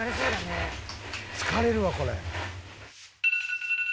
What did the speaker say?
疲れるわこれ。